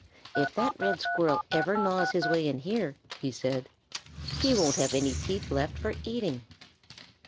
"If that Red Squirrel ever gnaws his way in here," he said, "he won't have any teeth left for eating."